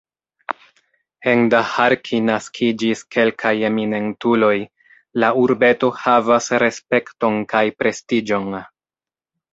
En Daharki naskiĝis kelkaj eminentuloj, la urbeto havas respekton kaj prestiĝon.